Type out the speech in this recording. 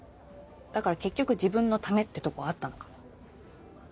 だから結局自分のためってとこあったのかも。